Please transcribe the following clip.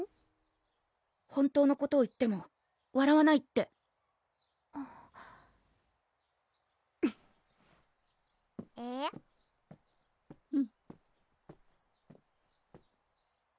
本当のことを言ってもわらわないってえる？